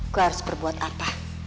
gue harus berbuat apa